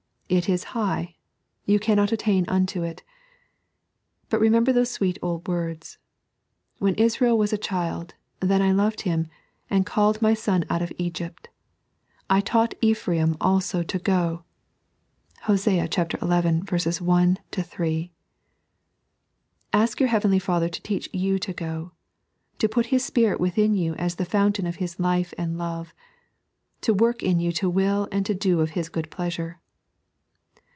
It is high ; you cannot attain unto it. But remember those sweet old words ; "When Israel was a child, then I loved him, and called my son out of Egypt. .., I taught Epkraim, eUso to go " (Hos. xi. 1 3). Ask your Heavenly Father to teach you to go ; to put His Spirit within you as the foimtain of His life and love ; to work in you to will and to do of His good pleasure.